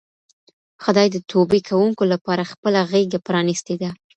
خدای د توبې کوونکو لپاره خپله غېږه پرانیستې ده.